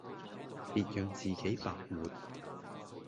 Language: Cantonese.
別讓自己白活